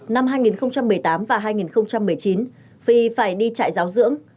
năm hai nghìn một mươi tám và hai nghìn một mươi chín phi phải đi trại giáo dưỡng